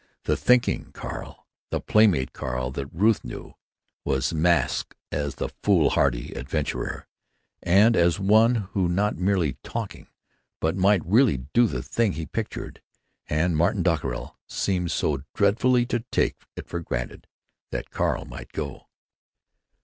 The thinking Carl, the playmate Carl that Ruth knew, was masked as the foolhardy adventurer—and as one who was not merely talking, but might really do the thing he pictured. And Martin Dockerill seemed so dreadfully to take it for granted that Carl might go.